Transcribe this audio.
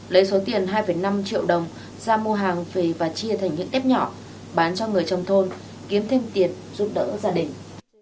lấy số tiền hai năm triệu đồng ra mua hàng về và chia thành những tép nhỏ bán cho người trong thôn kiếm thêm tiền giúp đỡ gia đình